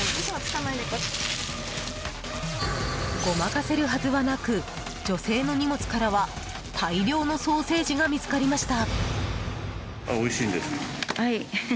ごまかせるはずはなく女性の荷物からは大量のソーセージが見つかりました。